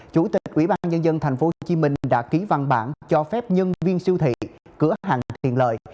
chủ tịch ubnd tp hcm đã ký văn bản cho phép nhân viên siêu thị cửa hàng tiền lợi